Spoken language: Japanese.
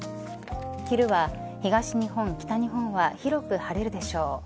昼は東日本、北日本は広く晴れるでしょう。